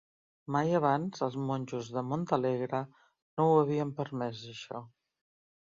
Mai abans els monjos de Montalegre no ho havien permès, això.